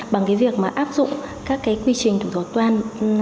bằng việc áp dụng các quy trình thủ tục toàn